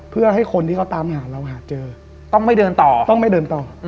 เพื่อให้คนที่เขาตามหาเราหาเจอต้องไม่เดินต่อต้องไม่เดินต่อ